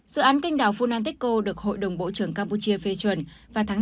dự án kênh đảo funantico được hội đồng bộ trưởng campuchia phê chuẩn vào tháng năm hai nghìn hai mươi ba